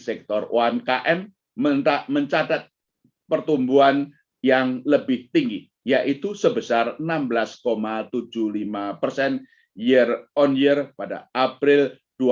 sektor umkm mencatat pertumbuhan yang lebih tinggi yaitu sebesar enam belas tujuh puluh lima persen year on year pada april dua ribu dua puluh